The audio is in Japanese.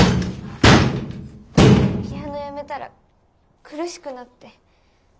ピアノやめたら苦しくなって。